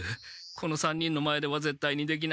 この３人の前ではぜったいにできない。